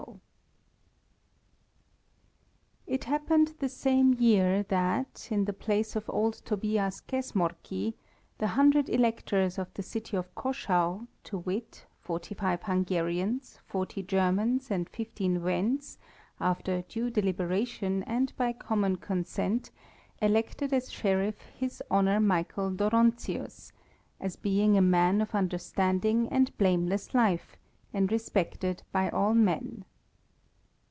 "] It happened the same year that, in the place of old Tobias Kesmarki, the hundred electors of the city of Caschau, to wit, forty five Hungarians, forty Germans, and fifteen Wends, after due deliberation and by common consent, elected as Sheriff his Honour Michael Dóronczius, as being a man of understanding and blameless life, and respected by all men.